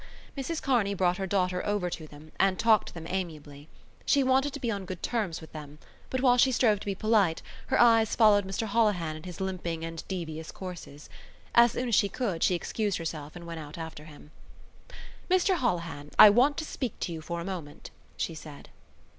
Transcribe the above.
Mrs Kearney brought her daughter over to them, and talked to them amiably. She wanted to be on good terms with them but, while she strove to be polite, her eyes followed Mr Holohan in his limping and devious courses. As soon as she could she excused herself and went out after him. "Mr Holohan, I want to speak to you for a moment," she said.